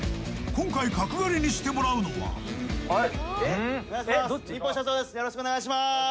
今回角刈りにしてもらうのはお願いします